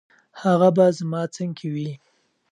هغه به زما څنګ کې وي.